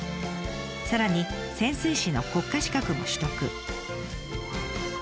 さらに潜水士の国家資格も取得。